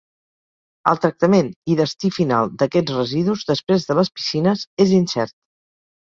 El tractament i destí final d'aquests residus, després de les piscines, és incert.